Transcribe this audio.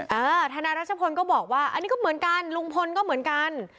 ทนายรัชพลก็บอกว่าอันนี้ก็เหมือนกันลุงพลก็เหมือนกัน